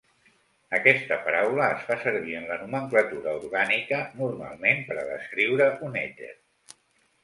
Aquesta paraula es fa servir en la nomenclatura orgànica normalment per a descriure un èter.